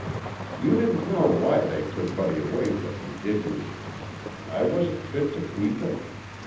"You didn't know why they took Buddy away from me, did you? I wasn't fit to keep him.